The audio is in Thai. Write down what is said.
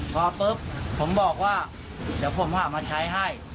พอปุ๊บผมบอกว่าเดี๋ยวผมหามาใช้ให้